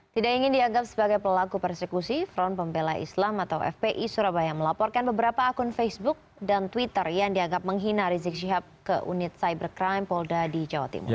tidak ingin dianggap sebagai pelaku persekusi front pembela islam atau fpi surabaya melaporkan beberapa akun facebook dan twitter yang dianggap menghina rizik syihab ke unit cybercrime polda di jawa timur